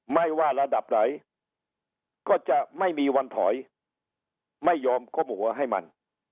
ไม่ว่าระดับไหนก็จะไม่มีวันถอยไม่ยอมก้มหัวให้มัน